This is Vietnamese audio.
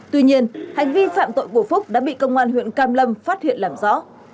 tuy nhiên hành vi phạm tội của phúc đã bị công an huyện cam lâm phát hiện làm rõ